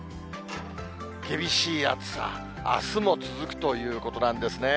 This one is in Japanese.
厳しい暑さ、あすも続くということなんですね。